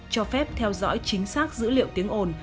cho phép theo dõi chính xác dữ liệu tiếng ồn